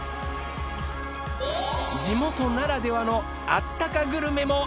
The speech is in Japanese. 地元ならではのあったかグルメも。